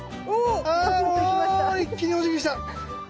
お一気におじぎした。